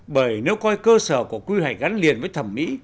bởi nếu coi cơ sở của quy hoạch gắn liền với thẩm mỹ